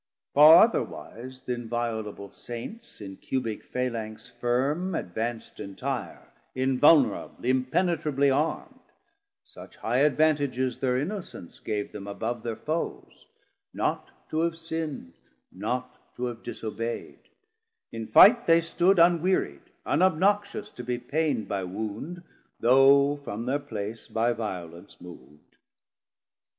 Far otherwise th' inviolable Saints In Cubic Phalanx firm advanc't entire, Invulnerable, impenitrably arm'd: 400 Such high advantages thir innocence Gave them above thir foes, not to have sinnd, Not to have disobei'd; in fight they stood Unwearied, unobnoxious to be pain'd By wound, though from thir place by violence mov'd.